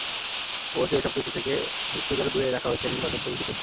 অবশ্য এসব কিছু থেকে একটু যেন দূরেই রাখা হয়েছে নির্বাচক কমিটিকে।